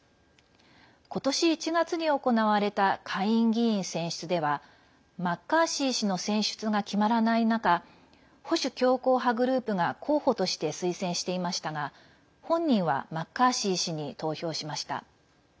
今年１月に行われた下院議員選出ではマッカーシー氏の選出が決まらない中保守強硬派グループが候補として推薦していましたが本人はマッカーシー氏に投票しました。